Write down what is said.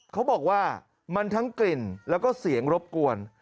เขาบอกว่ามันทั้งกลิ่นแล้วก็เสียงรบกวน